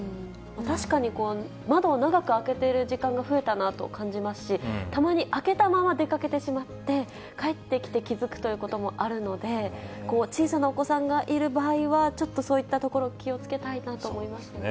確かに窓を長く開けている時間が増えたなと感じますし、たまに開けたまま出かけてしまって、帰ってきて、気付くということもあるので、小さなお子さんがいる場合は、ちょっとそういったところ、気をつけたいなと思いますね。